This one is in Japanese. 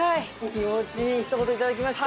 気持ちいいひと言を頂きました。